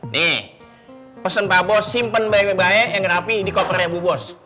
nih pesen pak bos simpen baik baik yang rapi di kopernya bu bos